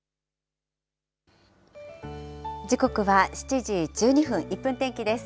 時刻は７時１２分、１分天気です。